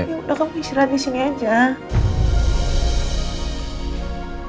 ya udah kamu istirahat disini aja